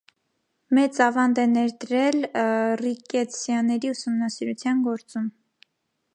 Մեծ ավանդ է ներդրել ռիկետսիաների ուսումնասիրության գործում։